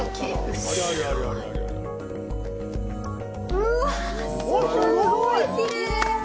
うわっ、すごいきれい。